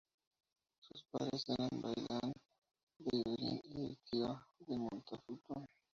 Sus padres eran Balián de Ibelín y Esquiva de Montfaucon.